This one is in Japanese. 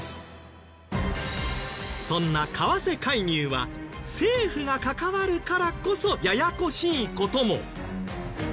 そんな為替介入は政府が関わるからこそややこしい事も。